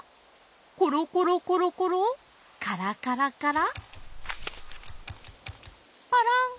コロコロコロコロカラカラカラパラン！